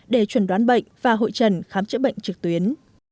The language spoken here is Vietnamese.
để chuẩn đoán bệnh và hội trần khám chữa bệnh trực tuyến